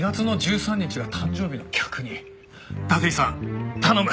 立石さん頼む！